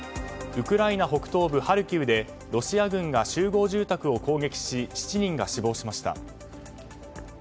ウクライナ北東部ハルキウでロシア軍が集合住宅を攻撃し７人が死亡しました。